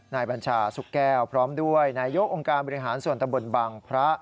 บัญชาสุกแก้วพร้อมด้วยนายกองค์การบริหารส่วนตำบลบางพระ